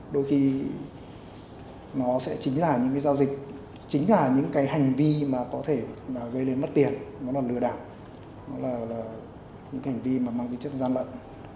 đôi khi nó sẽ chính là những cái giao dịch chính là những cái hành vi mà có thể gây lên mất tiền nó là lừa đảo nó là những hành vi mà mang cái chất gian lận